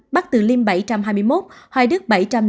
bắc từ liêm bảy trăm hai mươi một hoài đức bảy trăm linh